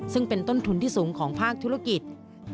ซึ่งเป็นต้นทุนที่สูงของภาคธุรกิจ